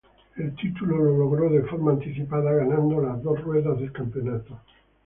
El título lo logró de forma anticipada ganando las dos ruedas del campeonato.